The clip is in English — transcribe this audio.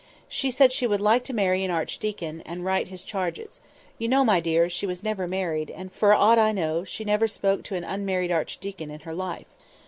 She said she should like to marry an archdeacon, and write his charges; and you know, my dear, she never was married, and, for aught I know, she never spoke to an unmarried archdeacon in her life.